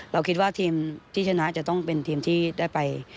เราคิดว่าทีมที่ชนะจะต้องเป็นทีมที่ได้ไป